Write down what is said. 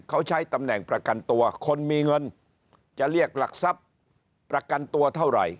เขาใช้ตำแหน่งประกันตัวคนมีเงินจะเรียกหลักทรัพย์ประกันตัวเท่าไหร่